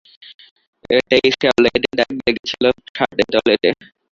এটা, এই শেওলা, এটারই দাগ লেগেছিল শার্টে, টয়লেটে।